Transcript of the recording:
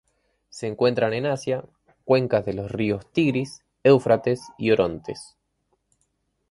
Se encuentran en Asia: cuencas de los ríos Tigris, Éufrates y Orontes.